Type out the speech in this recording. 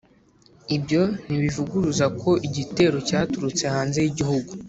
ibyo ntibivuguruza ko igitero cyaraturutse hanze y'igihugu.